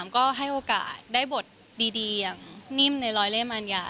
ก็ให้โอกาสได้บทดีอย่างนิ่มในร้อยเล่มัญญา